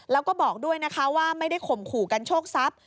แล้วก็บอกด้วยนะคะว่าไม่ได้ข่มขู่กันโชคทรัพย์